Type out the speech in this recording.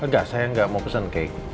enggak saya enggak mau pesan cake